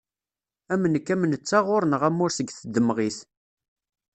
Am nekk am netta ɣur-nneɣ ammur seg tdemɣit.